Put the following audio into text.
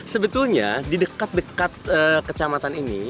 sebetulnya di dekat dekat kecamatan ini